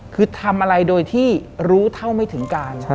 คือทำอะไรโดยที่รู้เท่าไม่ถึงการ